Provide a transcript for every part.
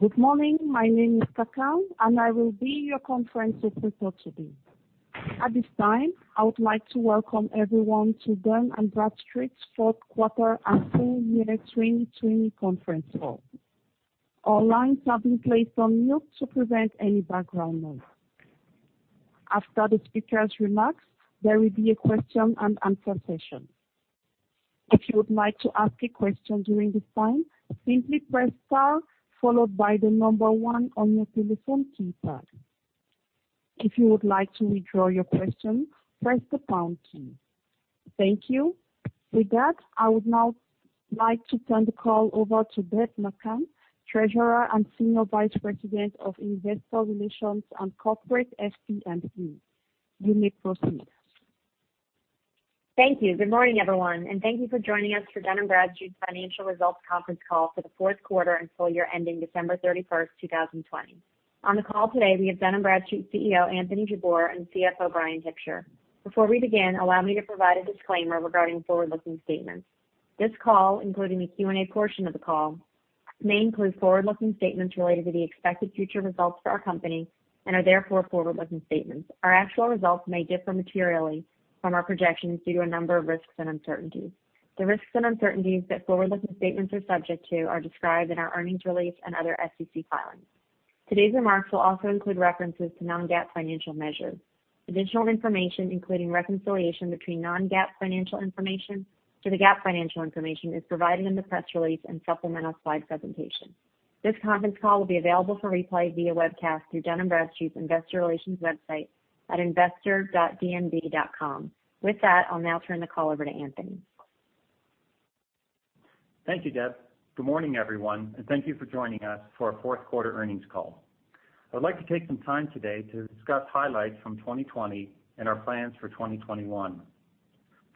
Good morning. My name is Takan, and I will be your conference operator today. At this time, I would like to welcome everyone to Dun & Bradstreet's fourth quarter and full year 2020 conference call. All lines have been placed on mute to prevent any background noise. After the speakers' remarks, there will be a question and answer session. If you would like to ask a question during this time, simply press star followed by the number one on your telephone keypad. If you would like to withdraw your question, press the pound key. Thank you. With that, I would now like to turn the call over to Deb McCann, Treasurer and Senior Vice President of Investor Relations and Corporate FP&A. You may proceed. Thank you. Good morning, everyone, and thank you for joining us for Dun & Bradstreet's financial results conference call for the fourth quarter and full year ending December 31st, 2020. On the call today, we have Dun & Bradstreet CEO, Anthony Jabbour, and CFO, Bryan Hipsher. Before we begin, allow me to provide a disclaimer regarding forward-looking statements. This call, including the Q&A portion of the call, may include forward-looking statements related to the expected future results for our company and are therefore forward-looking statements. Our actual results may differ materially from our projections due to a number of risks and uncertainties. The risks and uncertainties that forward-looking statements are subject to are described in our earnings release and other SEC filings. Today's remarks will also include references to non-GAAP financial measures. Additional information, including reconciliation between non-GAAP financial information to the GAAP financial information, is provided in the press release and supplemental slide presentation. This conference call will be available for replay via webcast through Dun & Bradstreet's Investor Relations website at investor.dnb.com. With that, I'll now turn the call over to Anthony. Thank you, Deb. Good morning, everyone, and thank you for joining us for our fourth quarter earnings call. I would like to take some time today to discuss highlights from 2020 and our plans for 2021.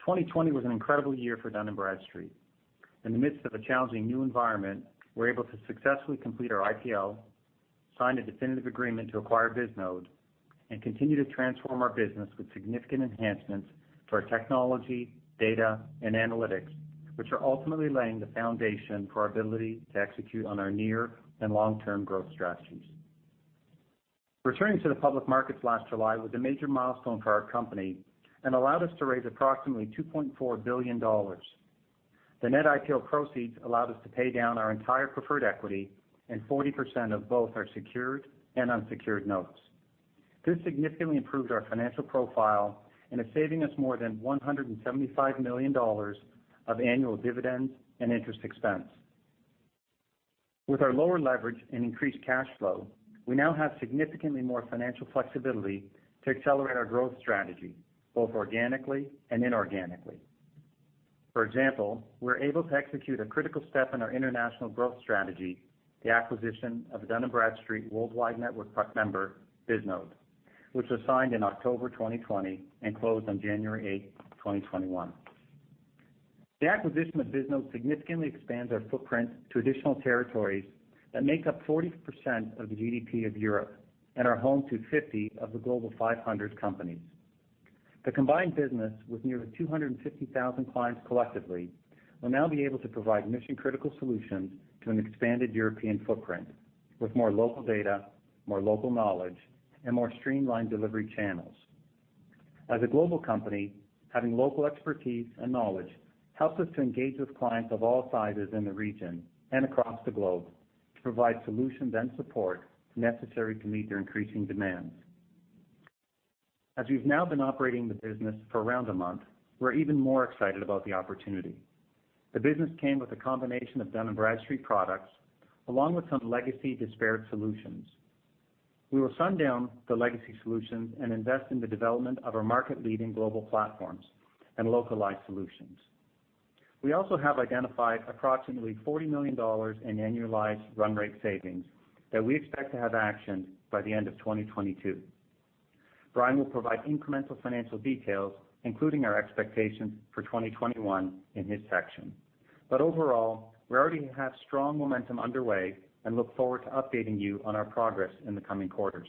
2020 was an incredible year for Dun & Bradstreet. In the midst of a challenging new environment, we were able to successfully complete our IPO, sign a definitive agreement to acquire Bisnode, and continue to transform our business with significant enhancements to our technology, data, and analytics, which are ultimately laying the foundation for our ability to execute on our near and long-term growth strategies. Returning to the public markets last July was a major milestone for our company and allowed us to raise approximately $2.4 billion. The net IPO proceeds allowed us to pay down our entire preferred equity and 40% of both our secured and unsecured notes. This significantly improved our financial profile and is saving us more than $175 million of annual dividends and interest expense. With our lower leverage and increased cash flow, we now have significantly more financial flexibility to accelerate our growth strategy, both organically and inorganically. For example, we were able to execute a critical step in our international growth strategy, the acquisition of Dun & Bradstreet Worldwide Network member, Bisnode, which was signed in October 2020 and closed on January 8, 2021. The acquisition of Bisnode significantly expands our footprint to additional territories that make up 40% of the GDP of Europe and are home to 50 of the Global 500 companies. The combined business with nearly 250,000 clients collectively will now be able to provide mission-critical solutions to an expanded European footprint with more local data, more local knowledge, and more streamlined delivery channels. As a global company, having local expertise and knowledge helps us to engage with clients of all sizes in the region and across the globe to provide solutions and support necessary to meet their increasing demands. As we've now been operating the business for around a month, we're even more excited about the opportunity. The business came with a combination of Dun & Bradstreet products along with some legacy disparate solutions. We will sun down the legacy solutions and invest in the development of our market-leading global platforms and localized solutions. We also have identified approximately $40 million in annualized run rate savings that we expect to have actioned by the end of 2022. Bryan will provide incremental financial details, including our expectations for 2021 in his section. Overall, we already have strong momentum underway and look forward to updating you on our progress in the coming quarters.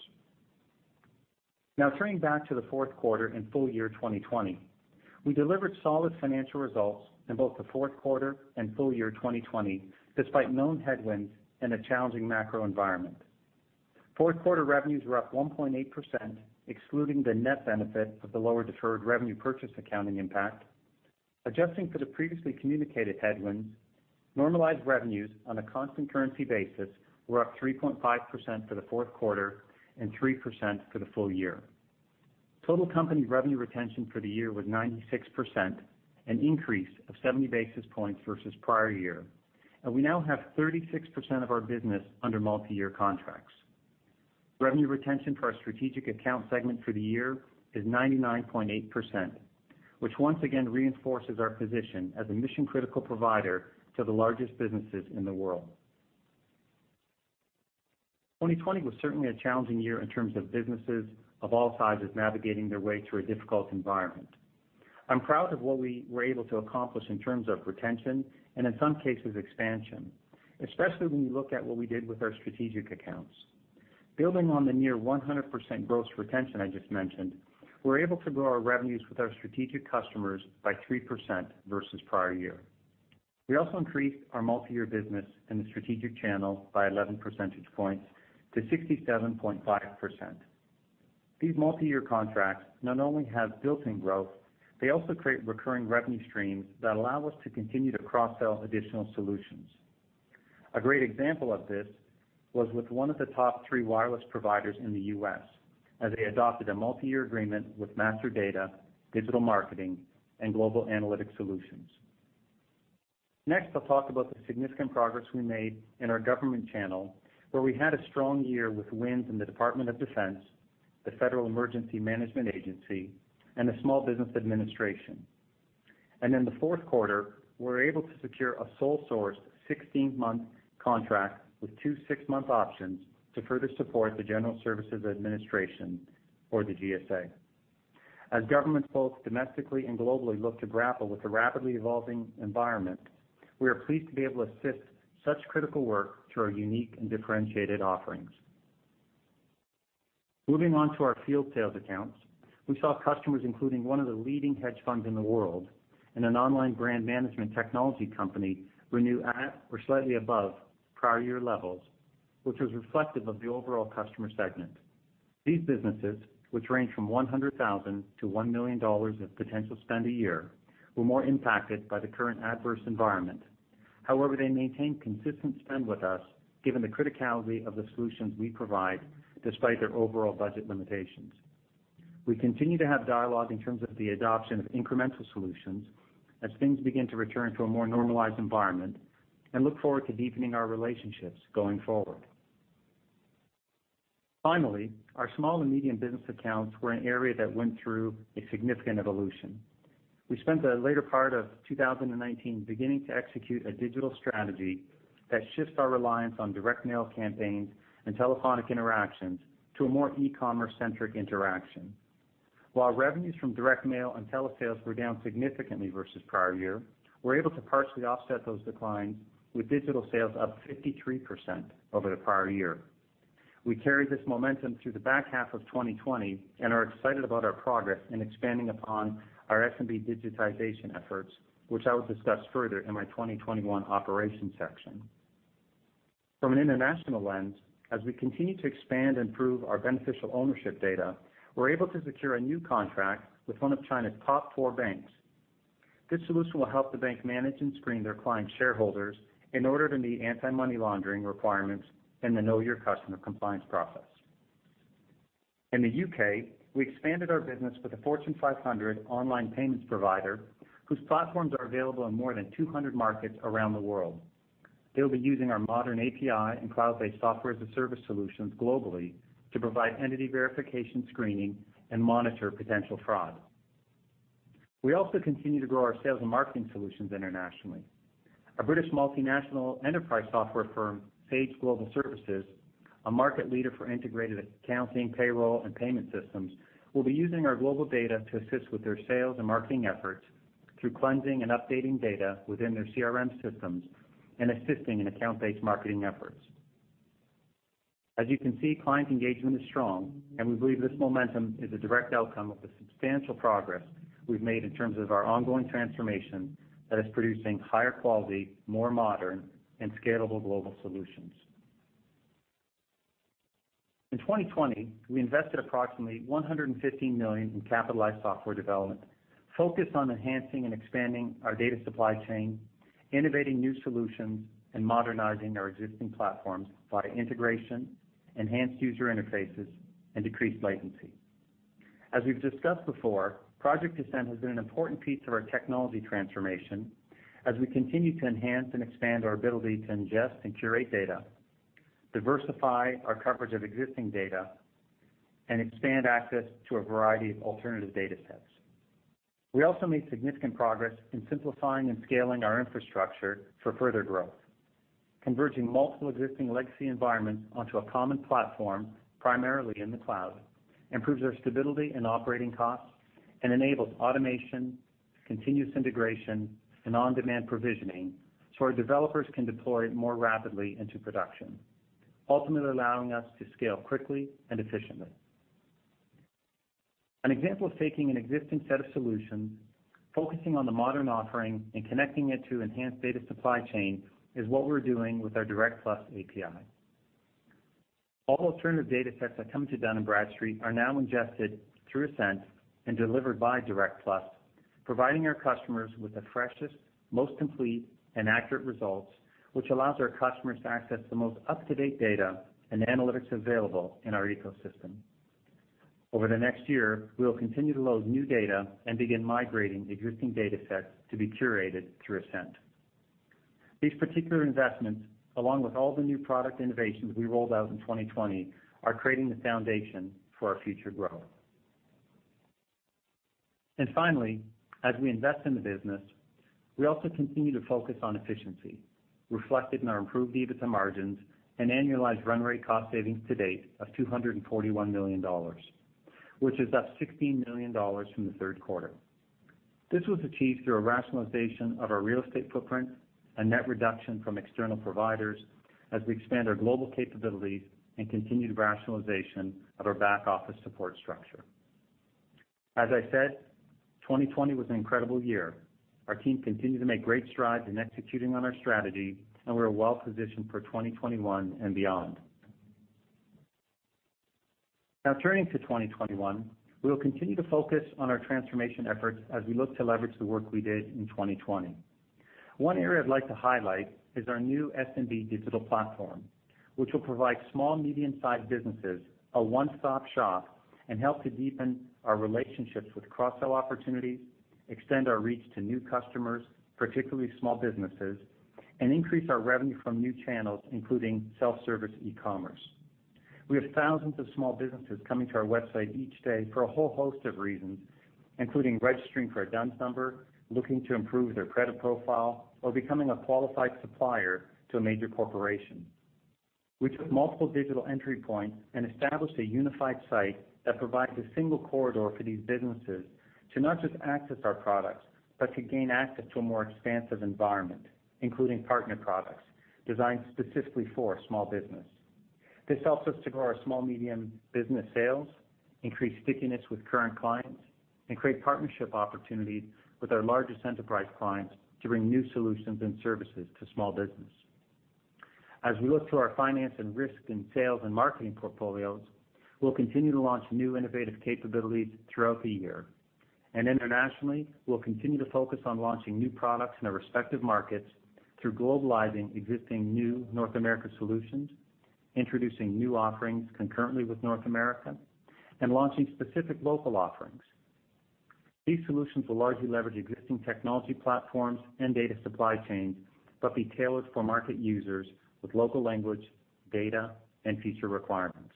Turning back to the fourth quarter and full year 2020. We delivered solid financial results in both the fourth quarter and full year 2020, despite known headwinds and a challenging macro environment. Fourth quarter revenues were up 1.8%, excluding the net benefit of the lower deferred revenue purchase accounting impact. Adjusting for the previously communicated headwinds, normalized revenues on a constant currency basis were up 3.5% for the fourth quarter and 3% for the full year. Total company revenue retention for the year was 96%, an increase of 70 basis points versus prior year, and we now have 36% of our business under multi-year contracts. Revenue retention for our strategic account segment for the year is 99.8%, which once again reinforces our position as a mission-critical provider to the largest businesses in the world. 2020 was certainly a challenging year in terms of businesses of all sizes navigating their way through a difficult environment. I'm proud of what we were able to accomplish in terms of retention and, in some cases, expansion, especially when you look at what we did with our strategic accounts. Building on the near 100% gross retention I just mentioned, we're able to grow our revenues with our strategic customers by 3% versus prior year. We also increased our multi-year business in the strategic channel by 11 percentage points to 67.5%. These multi-year contracts not only have built-in growth, they also create recurring revenue streams that allow us to continue to cross-sell additional solutions. A great example of this was with one of the top three wireless providers in the U.S. as they adopted a multi-year agreement with master data, digital marketing, and global analytic solutions. I'll talk about the significant progress we made in our government channel, where we had a strong year with wins in the Department of Defense, the Federal Emergency Management Agency, and the Small Business Administration. In the fourth quarter, we were able to secure a sole source, 16-month contract with two six-month options to further support the General Services Administration or the GSA. As governments both domestically and globally look to grapple with the rapidly evolving environment, we are pleased to be able to assist such critical work through our unique and differentiated offerings. Moving on to our field sales accounts, we saw customers, including one of the leading hedge funds in the world and an online brand management technology company, renew at or slightly above prior year levels, which was reflective of the overall customer segment. These businesses, which range from $100,000-$1 million of potential spend a year, were more impacted by the current adverse environment. However, they maintained consistent spend with us given the criticality of the solutions we provide despite their overall budget limitations. We continue to have dialogue in terms of the adoption of incremental solutions as things begin to return to a more normalized environment and look forward to deepening our relationships going forward. Finally, our small and medium business accounts were an area that went through a significant evolution. We spent the later part of 2019 beginning to execute a digital strategy that shifts our reliance on direct mail campaigns and telephonic interactions to a more e-commerce centric interaction. While revenues from direct mail and telesales were down significantly versus the prior year, we were able to partially offset those declines with digital sales up 53% over the prior year. We carried this momentum through the back half of 2020 and are excited about our progress in expanding upon our SMB digitization efforts, which I will discuss further in my 2021 operations section. From an international lens, as we continue to expand and prove our beneficial ownership data, we were able to secure a new contract with one of China's top four banks. This solution will help the bank manage and screen their client shareholders in order to meet anti-money laundering requirements and the know your customer compliance process. In the U.K., we expanded our business with a Fortune 500 online payments provider whose platforms are available in more than 200 markets around the world. They'll be using our modern API and cloud-based software as a service solution globally to provide entity verification screening and monitor potential fraud. We also continue to grow our sales and marketing solutions internationally. A British multinational enterprise software firm, Sage Group plc, a market leader for integrated accounting, payroll, and payment systems, will be using our global data to assist with their sales and marketing efforts through cleansing and updating data within their CRM systems and assisting in account-based marketing efforts. As you can see, client engagement is strong, and we believe this momentum is a direct outcome of the substantial progress we've made in terms of our ongoing transformation that is producing higher quality, more modern, and scalable global solutions. In 2020, we invested approximately $115 million in capitalized software development focused on enhancing and expanding our data supply chain, innovating new solutions, and modernizing our existing platforms via integration, enhanced user interfaces, and decreased latency. As we've discussed before, Project Ascent has been an important piece of our technology transformation as we continue to enhance and expand our ability to ingest and curate data, diversify our coverage of existing data, and expand access to a variety of alternative data sets. We also made significant progress in simplifying and scaling our infrastructure for further growth. Converging multiple existing legacy environments onto a common platform, primarily in the cloud, improves our stability and operating costs and enables automation, continuous integration, and on-demand provisioning so our developers can deploy more rapidly into production, ultimately allowing us to scale quickly and efficiently. An example of taking an existing set of solutions, focusing on the modern offering, and connecting it to enhanced data supply chain is what we're doing with our Direct+ API. All alternative data sets that come to Dun & Bradstreet are now ingested through Ascent and delivered by Direct+, providing our customers with the freshest, most complete, and accurate results, which allows our customers to access the most up-to-date data and analytics available in our ecosystem. Over the next year, we will continue to load new data and begin migrating existing data sets to be curated through Ascent. These particular investments, along with all the new product innovations we rolled out in 2020, are creating the foundation for our future growth. Finally, as we invest in the business, we also continue to focus on efficiency, reflected in our improved EBITDA margins and annualized run rate cost savings to date of $241 million, which is up $16 million from the third quarter. This was achieved through a rationalization of our real estate footprint, a net reduction from external providers as we expand our global capabilities, and continued rationalization of our back office support structure. As I said, 2020 was an incredible year. Our team continued to make great strides in executing on our strategy, and we're well-positioned for 2021 and beyond. Now turning to 2021, we will continue to focus on our transformation efforts as we look to leverage the work we did in 2020. One area I'd like to highlight is our new SMB digital platform, which will provide small, medium-sized businesses a one-stop shop and help to deepen our relationships with cross-sell opportunities, extend our reach to new customers, particularly small businesses, and increase our revenue from new channels, including self-service e-commerce. We have thousands of small businesses coming to our website each day for a whole host of reasons, including registering for a D-U-N-S number, looking to improve their credit profile, or becoming a qualified supplier to a major corporation. We took multiple digital entry points and established a unified site that provides a single corridor for these businesses to not just access our products, but to gain access to a more expansive environment, including partner products designed specifically for small business. This helps us to grow our small, medium business sales, increase stickiness with current clients, and create partnership opportunities with our largest enterprise clients to bring new solutions and services to small business. As we look to our Finance & Risk and Sales & Marketing portfolios, we'll continue to launch new innovative capabilities throughout the year. Internationally, we'll continue to focus on launching new products in our respective markets through globalizing existing new North America solutions, introducing new offerings concurrently with North America, and launching specific local offerings. These solutions will largely leverage existing technology platforms and data supply chains, but be tailored for market users with local language, data, and feature requirements.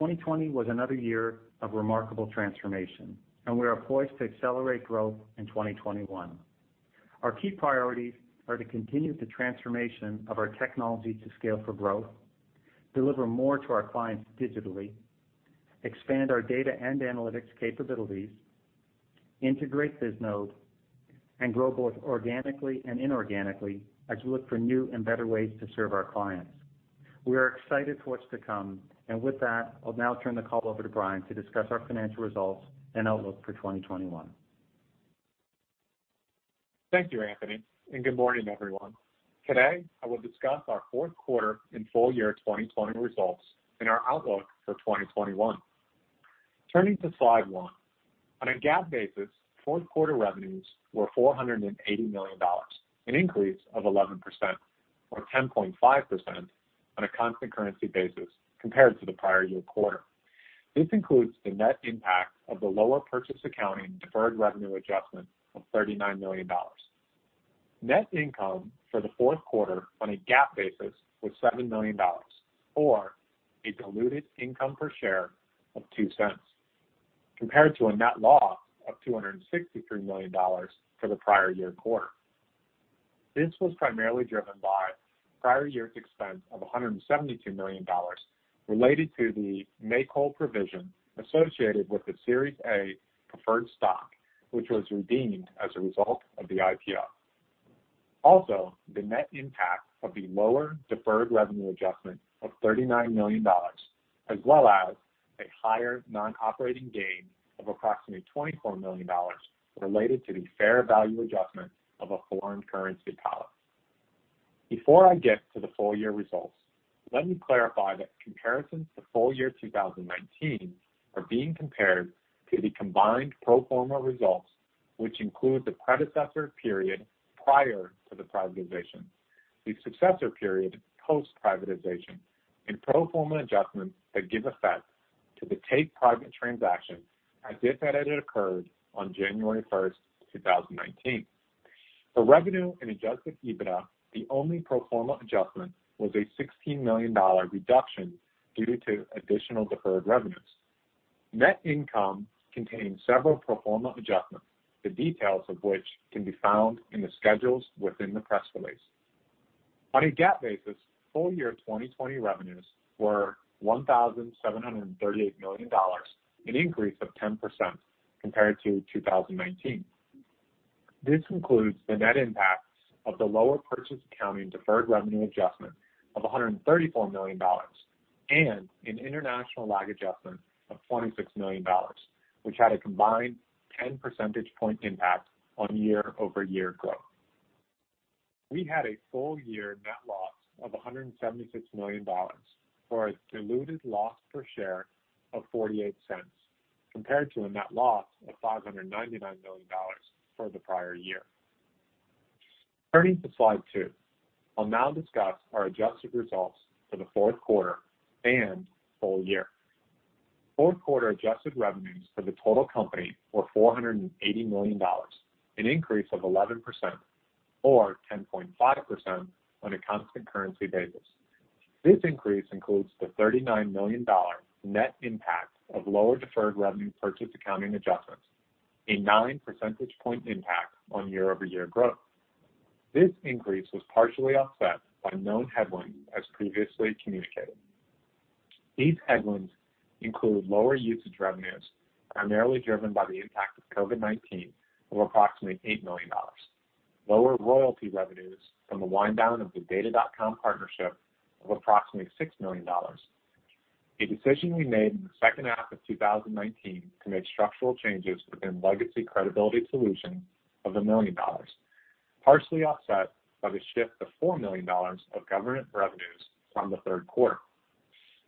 2020 was another year of remarkable transformation, and we are poised to accelerate growth in 2021. Our key priorities are to continue the transformation of our technology to scale for growth, deliver more to our clients digitally, expand our data and analytics capabilities, integrate Bisnode, and grow both organically and inorganically as we look for new and better ways to serve our clients. We are excited for what's to come. With that, I'll now turn the call over to Bryan to discuss our financial results and outlook for 2021. Thank you, Anthony, and good morning, everyone. Today, I will discuss our fourth quarter and full year 2020 results and our outlook for 2021. Turning to slide one. On a GAAP basis, fourth quarter revenues were $480 million, an increase of 11% or 10.5% on a constant currency basis compared to the prior year quarter. This includes the net impact of the lower purchase accounting deferred revenue adjustment of $39 million. Net income for the fourth quarter on a GAAP basis was $7 million, or a diluted income per share of $0.02 compared to a net loss of $263 million for the prior year quarter. This was primarily driven by prior year's expense of $172 million related to the May call provision associated with the Series A Preferred Stock, which was redeemed as a result of the IPO. The net impact of the lower deferred revenue adjustment of $39 million, as well as a higher non-operating gain of approximately $24 million related to the fair value adjustment of a foreign currency collar. Before I get to the full year results, let me clarify that comparisons to full year 2019 are being compared to the combined pro forma results, which include the predecessor period prior to the privatization, the successor period post privatization, and pro forma adjustments that give effect to the take private transaction as if it had occurred on January 1st, 2019. For revenue and adjusted EBITDA, the only pro forma adjustment was a $16 million reduction due to additional deferred revenues. Net income contained several pro forma adjustments, the details of which can be found in the schedules within the press release. On a GAAP basis, full year 2020 revenues were $1,738 million, an increase of 10% compared to 2019. This includes the net impacts of the lower purchase accounting deferred revenue adjustment of $134 million and an international lag adjustment of $26 million, which had a combined 10 percentage point impact on year-over-year growth. We had a full year net loss of $176 million, or a diluted loss per share of $0.48, compared to a net loss of $599 million for the prior year. Turning to slide two. I will now discuss our adjusted results for the fourth quarter and full year. Fourth quarter adjusted revenues for the total company were $480 million, an increase of 11% or 10.5% on a constant currency basis. This increase includes the $39 million net impact of lower deferred revenue purchase accounting adjustments, a 9 percentage point impact on year-over-year growth. This increase was partially offset by known headwinds as previously communicated. These headwinds include lower usage revenues, primarily driven by the impact of COVID-19 of approximately $8 million. Lower royalty revenues from the wind-down of the Data.com partnership of approximately $6 million. A decision we made in the second half of 2019 to make structural changes within legacy credibility solutions of $1 million, partially offset by the shift of $4 million of government revenues from the third quarter.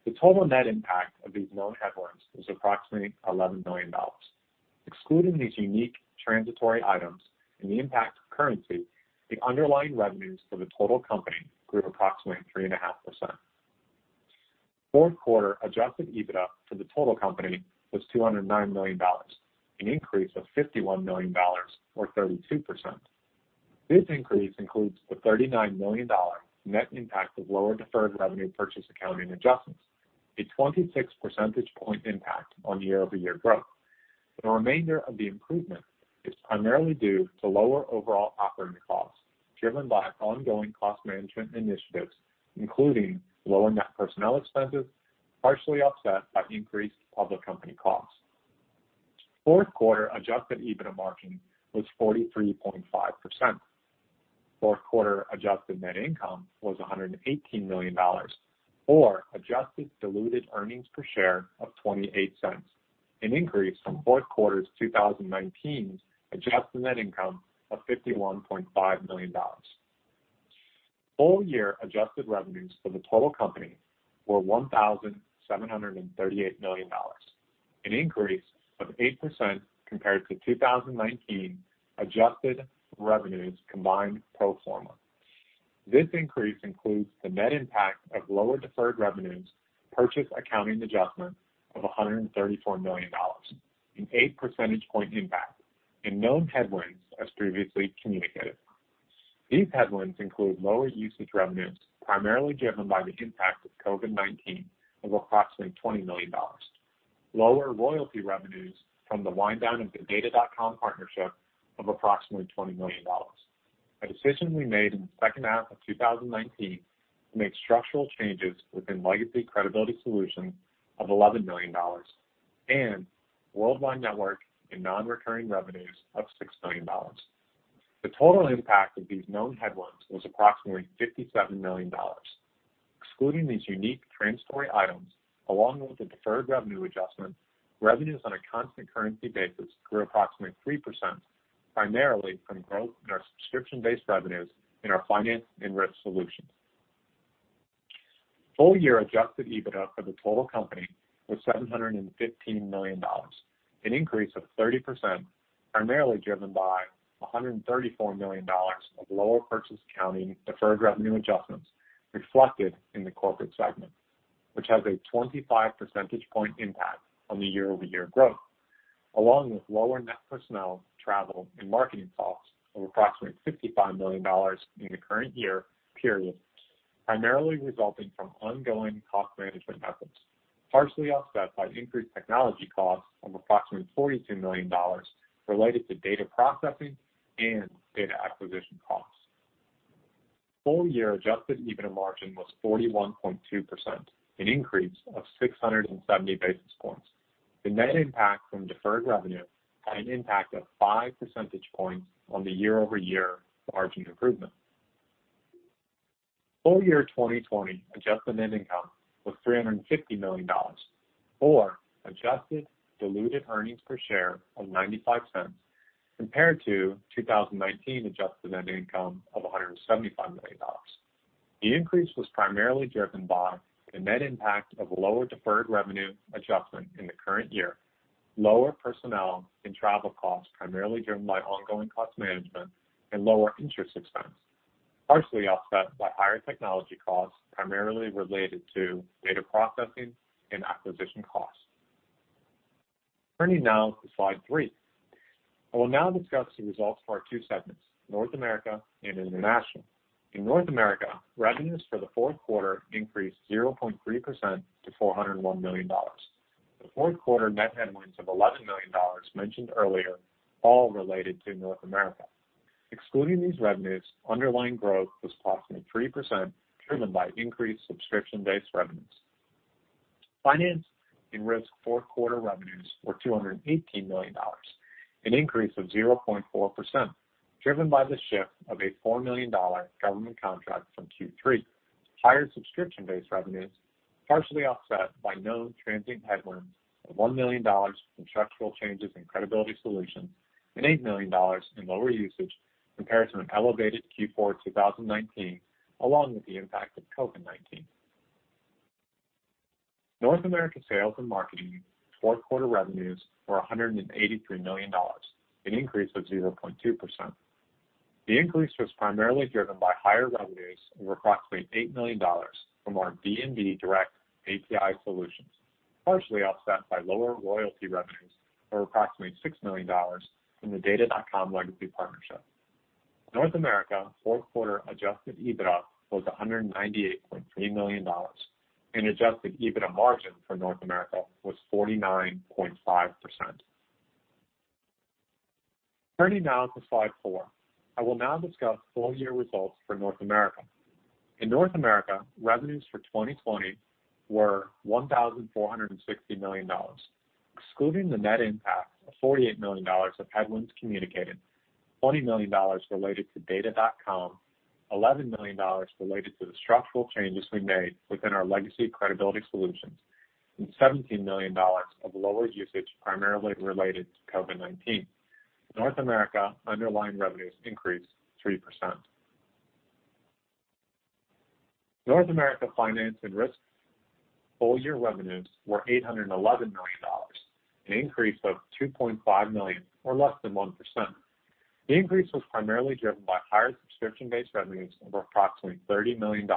The total net impact of these known headwinds was approximately $11 million. Excluding these unique transitory items and the impact of currency, the underlying revenues for the total company grew approximately 3.5%. Fourth quarter Adjusted EBITDA for the total company was $209 million, an increase of $51 million, or 32%. This increase includes the $39 million net impact of lower deferred revenue purchase accounting adjustments, a 26 percentage point impact on year-over-year growth. The remainder of the improvement is primarily due to lower overall operating costs, driven by ongoing cost management initiatives, including lower net personnel expenses, partially offset by increased public company costs. Fourth quarter adjusted EBITDA margin was 43.5%. Fourth quarter adjusted net income was $118 million, or adjusted diluted earnings per share of $0.28, an increase from fourth quarter 2019's adjusted net income of $51.5 million. Full-year adjusted revenues for the total company were $1,738 million, an increase of 8% compared to 2019 adjusted revenues combined pro forma. This increase includes the net impact of lower deferred revenues, purchase accounting adjustments of $134 million, an 8 percentage point impact, and known headwinds, as previously communicated. These headwinds include lower usage revenues, primarily driven by the impact of COVID-19 of approximately $20 million. Lower royalty revenues from the wind-down of the Data.com partnership of approximately $20 million. A decision we made in the second half of 2019 to make structural changes within legacy credibility solutions of $11 million, and Worldwide Network and non-recurring revenues of $6 million. The total impact of these known headwinds was approximately $57 million. Excluding these unique transitory items, along with the deferred revenue adjustment, revenues on a constant currency basis grew approximately 3%, primarily from growth in our subscription-based revenues in our Finance & Risk solutions. Full-year adjusted EBITDA for the total company was $715 million, an increase of 30%, primarily driven by $134 million of lower purchase accounting deferred revenue adjustments reflected in the corporate segment, which has a 25 percentage point impact on the year-over-year growth, along with lower net personnel, travel, and marketing costs of approximately $55 million in the current year period, primarily resulting from ongoing cost management efforts, partially offset by increased technology costs of approximately $42 million related to data processing and data acquisition costs. Full-year adjusted EBITDA margin was 41.2%, an increase of 670 basis points. The net impact from deferred revenue had an impact of 5 percentage points on the year-over-year margin improvement. Full year 2020 adjusted net income was $350 million, or adjusted diluted earnings per share of $0.95, compared to 2019 adjusted net income of $175 million. The increase was primarily driven by the net impact of lower deferred revenue adjustment in the current year, lower personnel and travel costs, primarily driven by ongoing cost management, and lower interest expense, partially offset by higher technology costs, primarily related to data processing and acquisition costs. Turning now to slide three. I will now discuss the results for our two segments, North America and International. In North America, revenues for the fourth quarter increased 0.3% to $401 million. The fourth quarter net headwinds of $11 million mentioned earlier all related to North America. Excluding these revenues, underlying growth was approximately 3%, driven by increased subscription-based revenues. Finance & Risk fourth quarter revenues were $218 million, an increase of 0.4%, driven by the shift of a $4 million government contract from Q3. Higher subscription-based revenues, partially offset by known transient headwinds of $1 million from structural changes in credibility solutions and $8 million in lower usage compared to an elevated Q4 2019, along with the impact of COVID-19. North America sales and marketing fourth quarter revenues were $183 million, an increase of 0.2%. The increase was primarily driven by higher revenues of approximately $8 million from our D&B Direct API solutions, partially offset by lower royalty revenues of approximately $6 million in the Data.com legacy partnership. North America fourth quarter adjusted EBITDA was $198.3 million, and adjusted EBITDA margin for North America was 49.5%. Turning now to slide four. I will now discuss full-year results for North America. In North America, revenues for 2020 were $1,460 million. Excluding the net impact of $48 million of headwinds communicated, $20 million related to Data.com, $11 million related to the structural changes we made within our legacy credibility solutions, and $17 million of lower usage, primarily related to COVID-19. North America underlying revenues increased 3%. North America Finance & Risk full-year revenues were $811 million, an increase of $2.5 million or less than 1%. The increase was primarily driven by higher subscription-based revenues of approximately $30 million,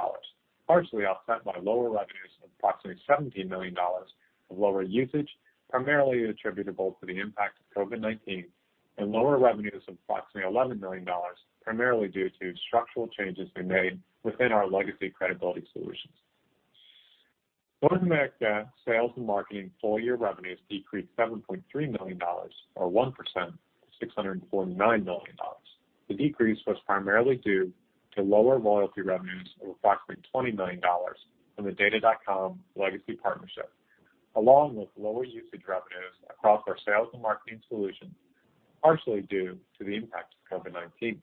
partially offset by lower revenues of approximately $17 million of lower usage, primarily attributable to the impact of COVID-19, and lower revenues of approximately $11 million, primarily due to structural changes we made within our legacy credibility solutions. North America Sales & Marketing full-year revenues decreased $7.3 million or 1% to $649 million. The decrease was primarily due to lower loyalty revenues of approximately $20 million from the Data.com legacy partnership, along with lower usage revenues across our sales and marketing solutions, partially due to the impact of COVID-19.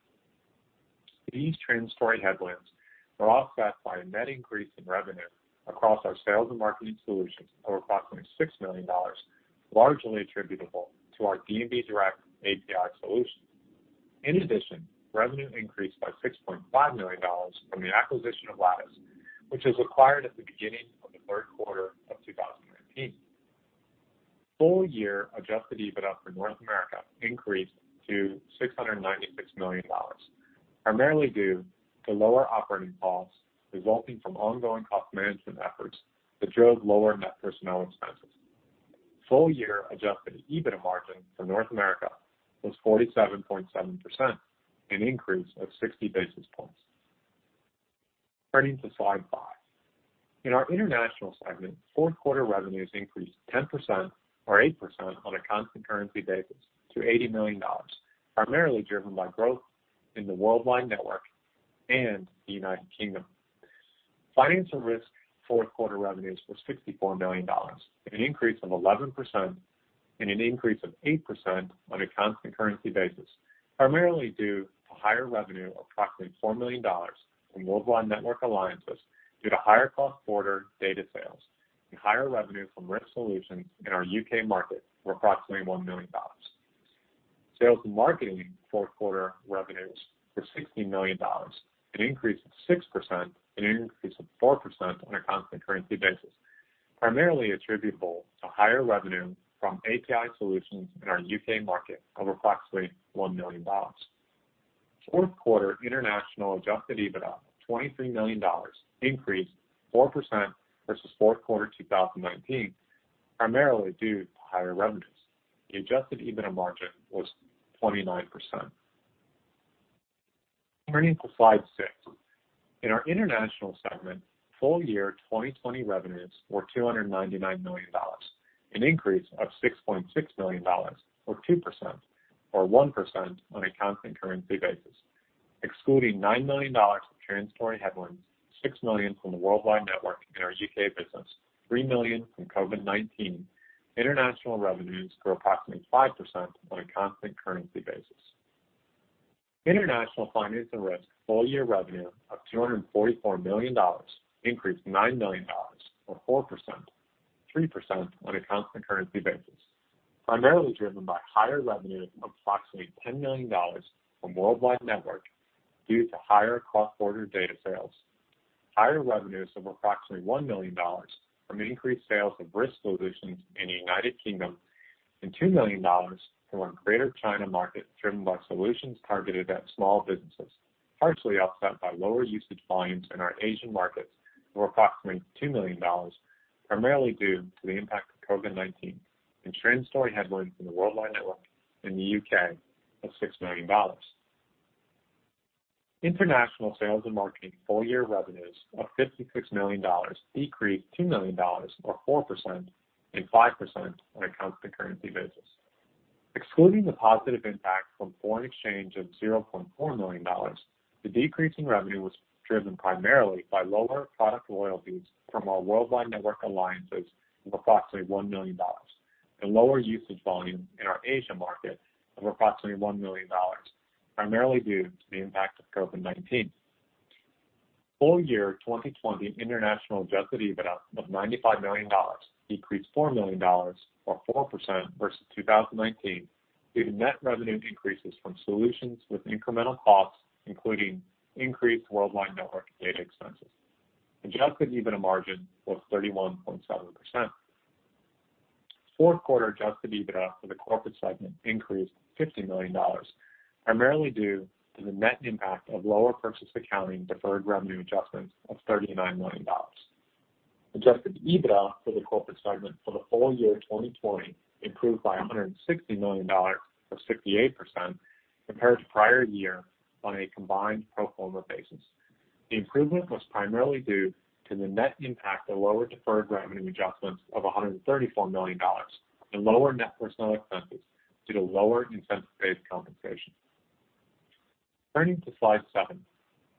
These trends story headwinds were offset by a net increase in revenue across our sales and marketing solutions of approximately $6 million, largely attributable to our D&B Direct API solution. In addition, revenue increased by $6.5 million from the acquisition of Lattice, which was acquired at the beginning of the third quarter of 2019. Full-year adjusted EBITDA for North America increased to $696 million, primarily due to lower operating costs resulting from ongoing cost management efforts that drove lower net personnel expenses. Full-year adjusted EBITDA margin for North America was 47.7%, an increase of 60 basis points. Turning to slide five. In our International segment, fourth quarter revenues increased 10% or 8% on a constant currency basis to $80 million, primarily driven by growth in the Worldwide Network and the United Kingdom. Finance & Risk fourth-quarter revenues were $64 million, an increase of 11% and an increase of 8% on a constant currency basis, primarily due to higher revenue of approximately $4 million from Worldwide Network alliances due to higher cross-border data sales and higher revenue from risk solutions in our U.K. market of approximately $1 million. Sales and Marketing fourth-quarter revenues were $16 million, an increase of 6% and an increase of 4% on a constant currency basis, primarily attributable to higher revenue from API solutions in our U.K. market of approximately $1 million. Fourth quarter international adjusted EBITDA of $23 million increased 4% versus fourth quarter 2019, primarily due to higher revenues. The adjusted EBITDA margin was 29%. Turning to slide six. In our International Segment, full-year 2020 revenues were $299 million, an increase of $6.6 million or 2% or 1% on a constant currency basis. Excluding $9 million of transitory headwinds, $6 million from the Worldwide Network in our U.K. business, $3 million from COVID-19, international revenues grew approximately 5% on a constant currency basis. International Finance and Risk full-year revenue of $244 million increased $9 million or 4%, 3% on a constant currency basis, primarily driven by higher revenues of approximately $10 million from Worldwide Network due to higher cross-border data sales, higher revenues of approximately $1 million from increased sales of risk solutions in the United Kingdom, and $2 million from our Greater China market, driven by solutions targeted at small businesses, partially offset by lower usage volumes in our Asian markets of approximately $2 million, primarily due to the impact of COVID-19, and trend story headwinds in the Worldwide Network in the U.K. of $6 million. International Sales and Marketing full-year revenues of $56 million decreased $2 million or 4% and 5% on a constant currency basis. Excluding the positive impact from foreign exchange of $0.4 million, the decrease in revenue was driven primarily by lower product royalties from our Worldwide Network alliances of approximately $1 million and lower usage volume in our Asia market of approximately $1 million, primarily due to the impact of COVID-19. Full-year 2020 international adjusted EBITDA of $95 million decreased $4 million or 4% versus 2019 due to net revenue increases from solutions with incremental costs, including increased Worldwide Network data expenses. adjusted EBITDA margin was 31.7%. Fourth quarter adjusted EBITDA for the Corporate segment increased $50 million, primarily due to the net impact of lower purchase accounting deferred revenue adjustments of $39 million. Adjusted EBITDA for the Corporate segment for the full year 2020 improved by $160 million or 68% compared to prior year on a combined pro forma basis. The improvement was primarily due to the net impact of lower deferred revenue adjustments of $134 million and lower net personnel expenses due to lower incentive-based compensation. Turning to slide seven,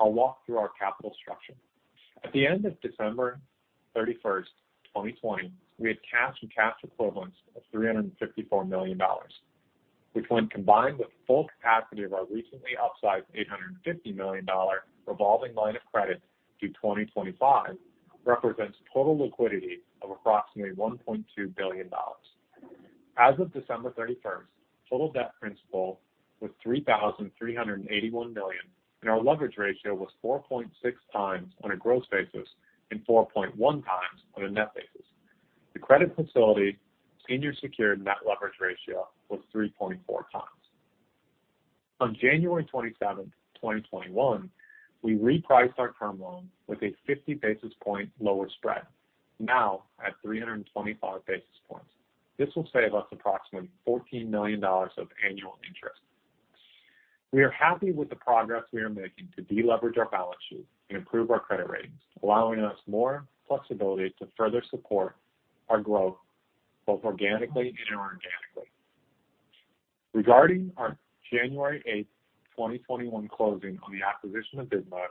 I'll walk through our capital structure. At the end of December 31st, 2020, we had cash and cash equivalents of $354 million, which when combined with the full capacity of our recently upsized $850 million revolving line of credit through 2025, represents total liquidity of approximately $1.2 billion. As of December 31st, total debt principal was $3,381 million, and our leverage ratio was 4.6x on a gross basis and 4.1x on a net basis. The credit facility senior secured net leverage ratio was 3.4x. On January 27, 2021, we repriced our term loan with a 50 basis points lower spread, now at 325 basis points. This will save us approximately $14 million of annual interest. We are happy with the progress we are making to de-leverage our balance sheet and improve our credit ratings, allowing us more flexibility to further support our growth both organically and inorganically. Regarding our January 8th, 2021 closing on the acquisition of Bisnode,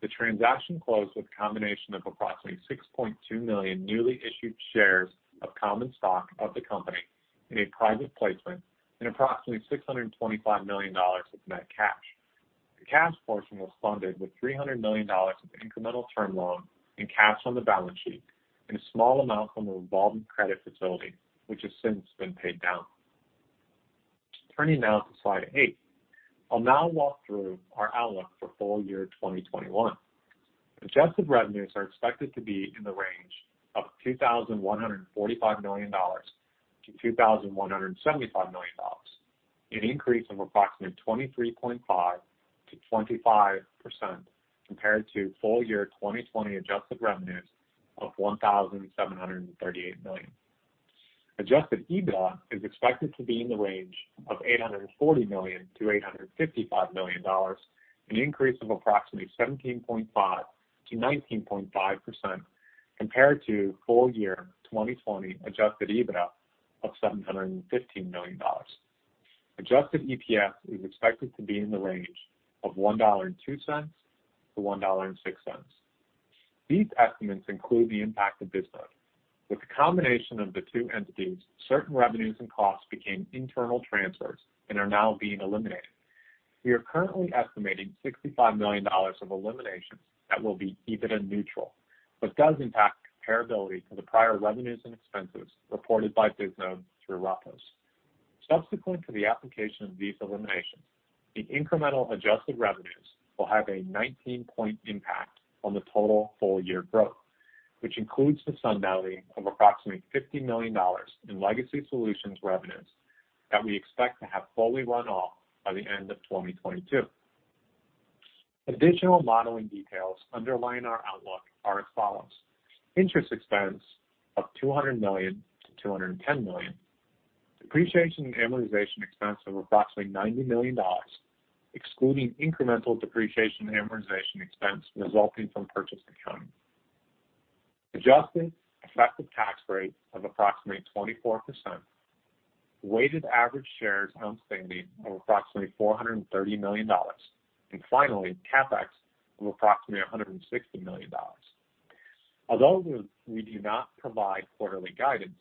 the transaction closed with a combination of approximately 6.2 million newly issued shares of common stock of the company in a private placement and approximately $625 million of net cash. The cash portion was funded with $300 million of incremental term loan and cash on the balance sheet, and a small amount from a revolving credit facility, which has since been paid down. Turning now to slide eight. I'll now walk through our outlook for full year 2021. Adjusted revenues are expected to be in the range of $2,145 million-$2,175 million, an increase of approximately 23.5%-25% compared to full year 2020 adjusted revenues of $1,738 million. Adjusted EBITDA is expected to be in the range of $840 million-$855 million, an increase of approximately 17.5%-19.5% compared to full year 2020 adjusted EBITDA of $715 million. Adjusted EPS is expected to be in the range of $1.02-$1.06. These estimates include the impact of Bisnode. With the combination of the two entities, certain revenues and costs became internal transfers and are now being eliminated. We are currently estimating $65 million of eliminations that will be EBITDA neutral, but does impact comparability to the prior revenues and expenses reported by Bisnode through Ratos. Subsequent to the application of these eliminations, the incremental adjusted revenues will have a 19-point impact on the total full year growth, which includes the sunsetting of approximately $50 million in legacy solutions revenues that we expect to have fully run off by the end of 2022. Additional modeling details underlying our outlook are as follows. Interest expense of $200 million-$210 million. Depreciation and amortization expense of approximately $90 million, excluding incremental depreciation and amortization expense resulting from purchase accounting. Adjusted effective tax rate of approximately 24%. Weighted average shares outstanding of approximately 430 million. And finally, CapEx of approximately $160 million. Although we do not provide quarterly guidance,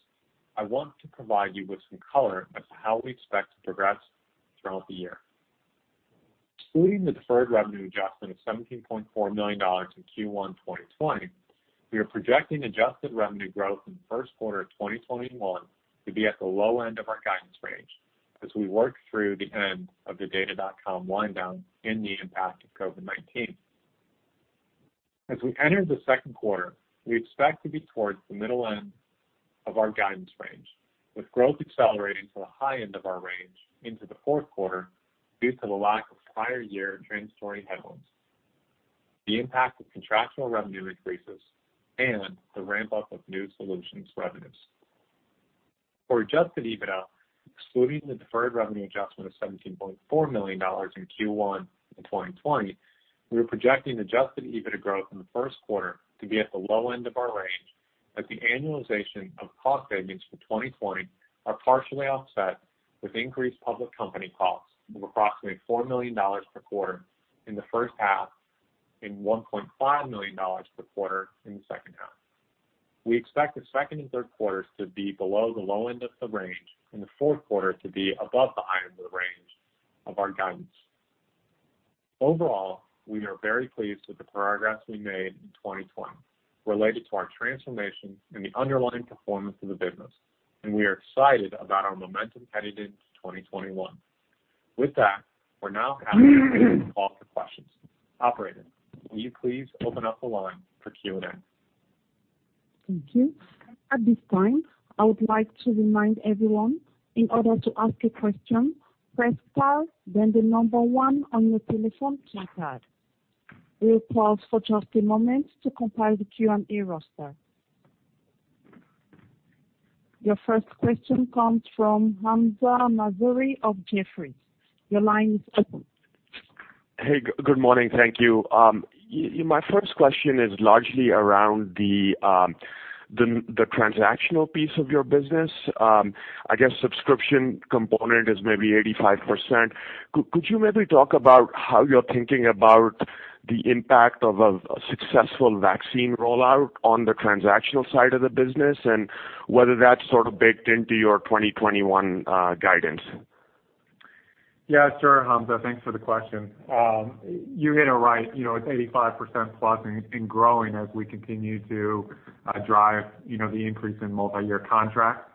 I want to provide you with some color as to how we expect to progress throughout the year. Excluding the deferred revenue adjustment of $17.4 million in Q1 2020, we are projecting adjusted revenue growth in the first quarter of 2021 to be at the low end of our guidance range as we work through the end of the Data.com wind down and the impact of COVID-19. As we enter the second quarter, we expect to be towards the middle end of our guidance range, with growth accelerating to the high end of our range into the fourth quarter due to the lack of prior year transitory headwinds, the impact of contractual revenue increases, and the ramp-up of new solutions revenues. For adjusted EBITDA, excluding the deferred revenue adjustment of $17.4 million in Q1 2020, we are projecting adjusted EBITDA growth in the first quarter to be at the low end of our range, as the annualization of cost savings for 2020 are partially offset with increased public company costs of approximately $4 million per quarter in the first half and $1.5 million per quarter in the second half. We expect the second and third quarters to be below the low end of the range and the fourth quarter to be above the high end of the range of our guidance. Overall, we are very pleased with the progress we made in 2020 related to our transformation and the underlying performance of the business, and we are excited about our momentum headed into 2021. With that, we're now happy to take some calls for questions. Operator, will you please open up the line for Q&A? Thank you. At this time, I would like to remind everyone, in order to ask a question, press star then the number one on your telephone keypad. We'll pause for just a moment to compile the Q&A roster. Your first question comes from Hamzah Mazari of Jefferies. Your line is open. Hey, good morning. Thank you. My first question is largely around the transactional piece of your business. I guess subscription component is maybe 85%. Could you maybe talk about how you're thinking about the impact of a successful vaccine rollout on the transactional side of the business, whether that's sort of baked into your 2021 guidance? Yeah, sure, Hamzah. Thanks for the question. You hit it right. It's 85%+ and growing as we continue to drive the increase in multi-year contracts.